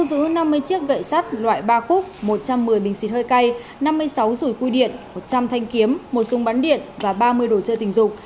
giữ năm mươi chiếc gậy sắt loại ba cúp một trăm một mươi bình xịt hơi cay năm mươi sáu rùi cui điện một trăm linh thanh kiếm một súng bắn điện và ba mươi đồ chơi tình dục